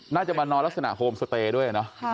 น่าจะมานอนลักษณะโฮมสเตรด้วย